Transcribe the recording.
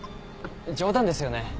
冗談ですよね？